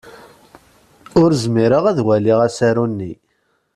Ur zmireɣ ad waliɣ asaru-nni.